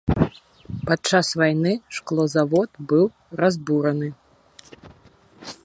Падчас вайны шклозавод быў разбураны.